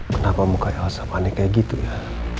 kenapa muka elsa panik kayak gitu ya